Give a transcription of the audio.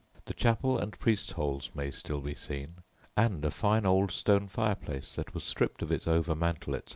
"The chapel" and priests' holes may still be seen, and a fine old stone fireplace that was stripped of its overmantel, etc.